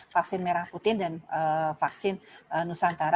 vaksin merah putih dan vaksin nusantara